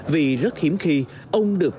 vì rất hiếm khi ông được